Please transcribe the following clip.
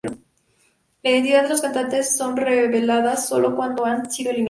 La identidad de los cantantes son reveladas sólo cuando han sido eliminados.